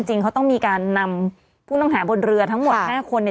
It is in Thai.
จริงเขาต้องมีการนำผู้ต้องหาบนเรือทั้งหมด๕คนเนี่ย